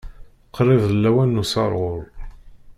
Qrib d lawan n usaɣur